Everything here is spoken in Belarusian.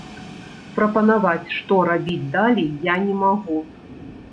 Прапанаваць, што рабіць далей, я не магу.